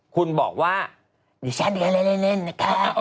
คุณบอกว่าดิฉันเล่นนะคะ